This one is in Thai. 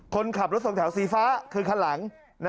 คนขับรถสองแถวสีฟ้าคือคันหลัง